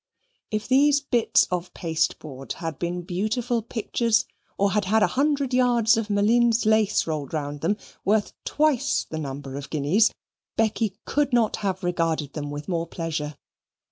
If these bits of pasteboard had been beautiful pictures, or had had a hundred yards of Malines lace rolled round them, worth twice the number of guineas, Becky could not have regarded them with more pleasure.